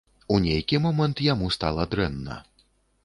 У нейкі момант яму стала дрэнна.